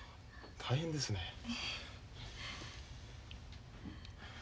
大変ですね。